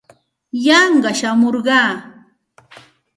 Yanqa shamurqaa.